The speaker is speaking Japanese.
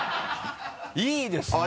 いいですね。